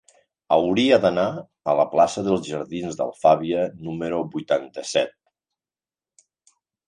Hauria d'anar a la plaça dels Jardins d'Alfàbia número vuitanta-set.